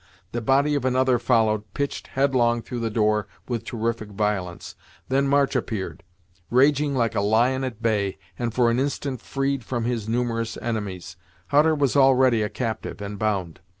The body of another followed, pitched headlong through the door with terrific violence. Then March appeared, raging like a lion at bay, and for an instant freed from his numerous enemies. Hutter was already a captive and bound.